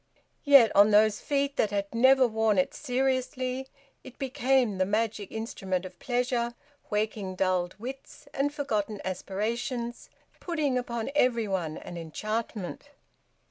Yet on those feet that had never worn it seriously, it became the magic instrument of pleasure, waking dulled wits and forgotten aspirations, putting upon everybody an enchantment...